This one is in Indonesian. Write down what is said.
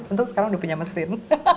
untuk sekarang udah punya mesin